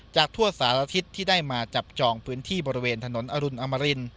ทั่วสารทิศที่ได้มาจับจองพื้นที่บริเวณถนนอรุณอมริน